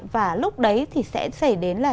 và lúc đấy thì sẽ xảy đến là